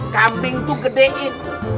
kambing tuh gedein